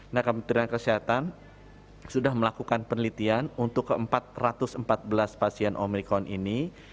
nah kementerian kesehatan sudah melakukan penelitian untuk ke empat ratus empat belas pasien omikron ini